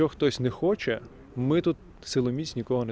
jika tidak kita tidak menahan siapa pun